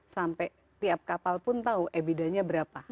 sampai tiap kapal pun tahu ebida nya berapa